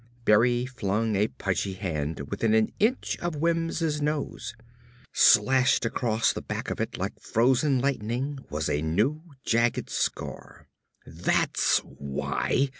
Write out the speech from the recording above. Berry flung a pudgy hand within an inch of Wims' nose. Slashed across the back of it, like frozen lightning, was a new, jagged scar. "That's why!"